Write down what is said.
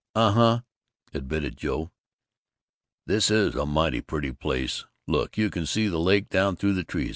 "Uh huh," admitted Joe. "This is a mighty pretty place. Look, you can see the lake down through the trees.